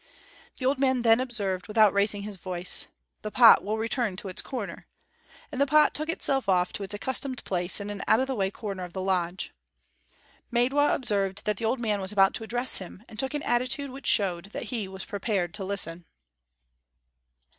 The old man then observed, without raising his voice: "The pot will return to its corner," and the pot took itself off to its accustomed place in an out of the way corner of the lodge. Maidwa observed that the old man was about to address him, and took an attitude which showed that he was prepared to listen.